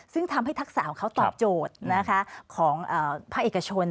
ซึ่งทำให้ทักษะของเขาตอบโจทย์ของภาคเอกชน